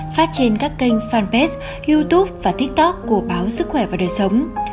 phát trên các kênh fanpage youtube và tiktok của báo sức khỏe và đời sống